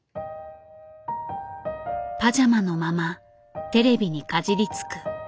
パジャマのままテレビにかじりつく。